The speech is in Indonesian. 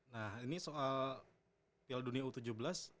nah ini soal piala dunia u tujuh belas